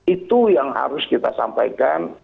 itu yang harus kita sampaikan